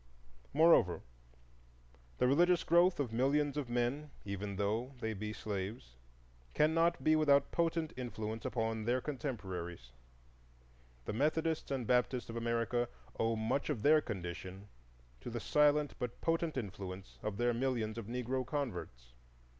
Moreover, the religious growth of millions of men, even though they be slaves, cannot be without potent influence upon their contemporaries. The Methodists and Baptists of America owe much of their condition to the silent but potent influence of their millions of Negro converts.